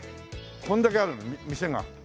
これだけある店が。